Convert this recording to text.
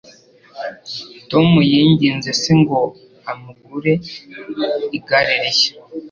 Tom yinginze se ngo amugure igare rishya.